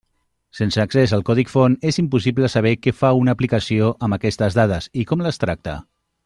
Sense accés al codi font és impossible saber què fa una aplicació amb aquestes dades, i com les tracta.